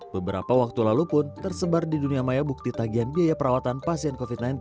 beberapa waktu lalu pun tersebar di dunia maya bukti tagian biaya perawatan pasien covid sembilan belas